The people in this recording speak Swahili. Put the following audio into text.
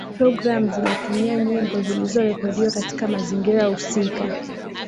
programu zinatumia nyimbo zilizorekodiwa katika mazingira husika